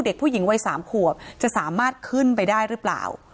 เด็กผู้หญิงวัย๓ขวบจะสามารถขึ้นไปได้หรือเปล่า